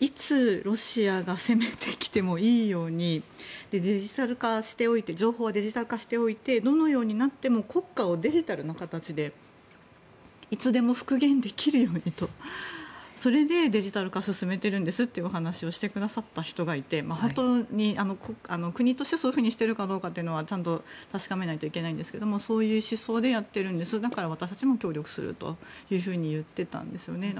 いつ、ロシアが攻めてきてもいいように情報をデジタル化しておいてどのようになっても国家をデジタルの形でいつでも復元できるようにとそれでデジタル化を進めてるんですというお話をしてくださった方がいて本当に国としてそういうふうにしているかどうかはちゃんと確かめないといけないんですがそういう思想でやっているのでだから、私たちも協力すると言っていたんですよね。